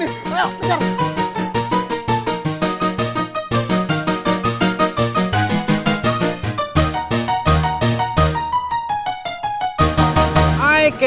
disini ayo kejar